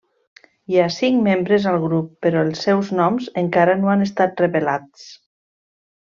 Hi ha cinc membres al grup, però els seus noms encara no han estat revelats.